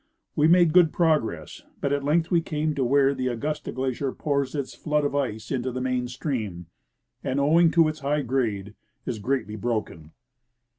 We made good progress, but at length Ave came to where the Augusta glacier j^ours its flood of ice into the main stream and, OAving to its high grade, is greatly broken.